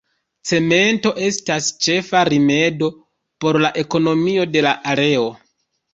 Cemento estas ĉefa rimedo por la ekonomio de la areo.